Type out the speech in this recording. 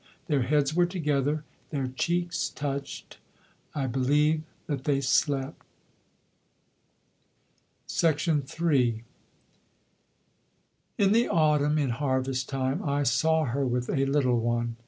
Their heads were together, their cheeks touched. I believe that they slept. III In the autumn, in harvest time, I saw her with a little one.